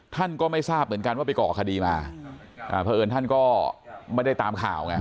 ท่านก็ไม่ทราบเหมือนกันว่าไปก่อคดีมาเพราะเอิญท่านก็ไม่ได้ตามข่าวไง